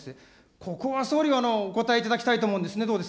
ここは総理、お答えいただきたいと思うんですね。